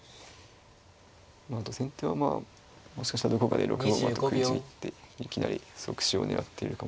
まああと先手はまあもしかしたらどこかで６五馬と食いちぎっていきなり即死を狙っているかもしれません。